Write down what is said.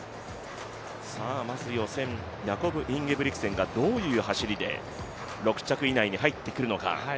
まず予選、ヤコブ・インゲブリクセンがどういう走りで６着以内に入ってくるのか。